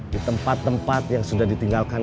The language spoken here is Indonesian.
di tempat tempat yang sudah ditinggalkan